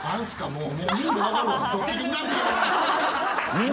もう！